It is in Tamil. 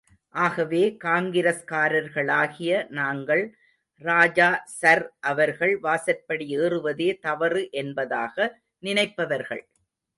ஆகவே காங்கிரஸ்காரர்களாகிய நாங்கள் ராஜா சர் அவர்கள் வாசற்படி ஏறுவதே தவறு என்பதாக நினைப்பவர்கள்.